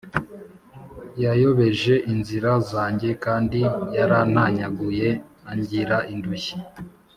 Yayobeje inzira zanjye, Kandi yarantanyaguye angira indushyi.